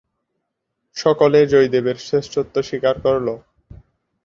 সকলে জয়দেবের শ্রেষ্ঠত্ব স্বীকার করল।